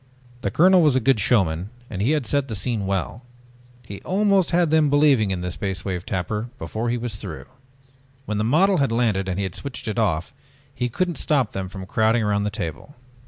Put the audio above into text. The colonel was a good showman and he had set the scene well. He almost had them believing in the Space Wave Tapper before he was through. When the model had landed and he had switched it off he couldn't stop them from crowding around the table.